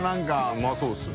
うまそうですね。